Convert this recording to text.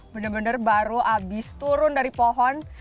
bener bener baru habis turun dari pohon